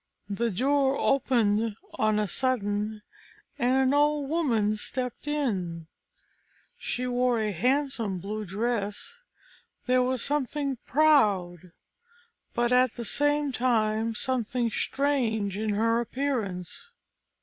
The door opened on a sudden, and an old woman stepped in. She wore a handsome blue dress; there was something proud, but at the same time something strange, in her appearance.